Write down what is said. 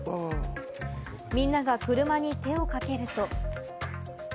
みんなが車に手をかけると。